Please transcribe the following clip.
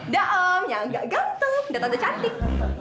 daom yang gak ganteng datang datang cantik